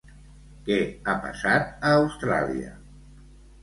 Què ha passat a Austràlia?